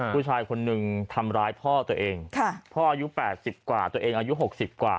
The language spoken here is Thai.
ผู้ชายคนนึงทำร้ายพ่อตัวเองพ่ออายุ๘๐กว่าตัวเองอายุ๖๐กว่า